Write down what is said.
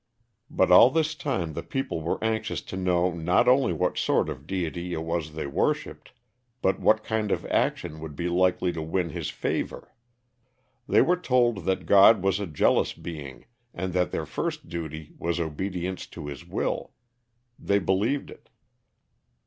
But all this time the people were anxious to know not only what sort of deity it was they worshipped, but what kind of action would be likely to win his favor. They were told that god was a jealous being, and that their first duty was obedience to his will. They believed it.